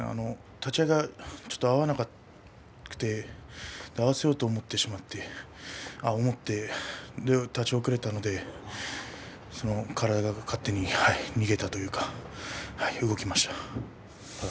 立ち合いがちょっと合わなくて合わせようと思ってしまって立ち遅れたので体が勝手に逃げたというか動きました。